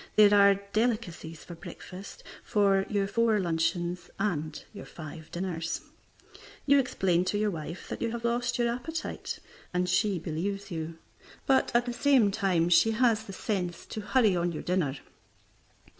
There are delicacies for breakfast, for your four luncheons and your five dinners. You explain to your wife that you have lost your appetite, and she believes you, but at the same time she has the sense to hurry on your dinner.